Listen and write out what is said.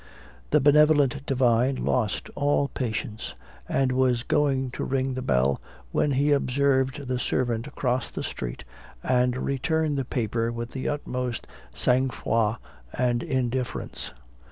The benevolent divine lost all patience, and was going to ring the bell, when he observed the servant cross the street, and return the paper with the utmost sang froid and indifference.